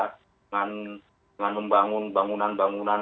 dengan membangun bangunan bangunan